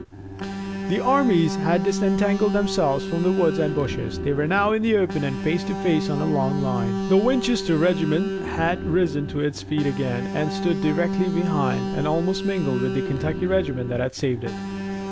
The armies had disentangled themselves from the woods and bushes. They were now in the open and face to face on a long line. The Winchester regiment had risen to its feet again, and stood directly behind and almost mingled with the Kentucky regiment that had saved it.